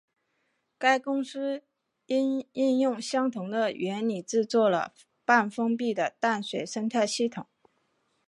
该公司也应用相同的原理制作了半封闭的淡水生态系统。